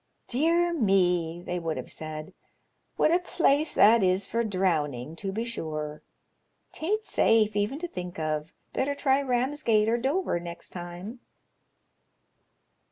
' Dear me !' they would have said, * what a place that is for drowning, to be sure! 'Taint safe even to think of. Better try Ramsgate or Dover next time.'